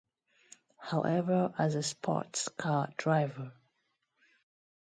However as a sports car driver.